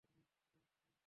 ওর বাবাও দেবে।